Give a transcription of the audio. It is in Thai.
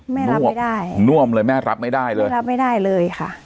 แม่รับไม่ได้น่วมเลยแม่รับไม่ได้เลยแม่รับไม่ได้เลยค่ะ